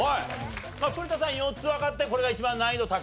古田さん４つわかってこれが一番難易度高いだろうと？